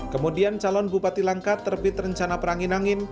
kemudian calon bupati langkat terbit rencana perangin angin